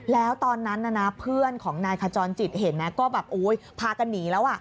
แล้วตอนนั้นเพื่อนของนายขจรจิตเห็นนะก็แบบพากันหนีแล้ว